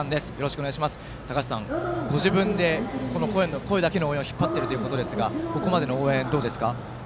たかはしさん、ご自分で声だけの応援を引っ張っているということですがここまでの応援どうですか？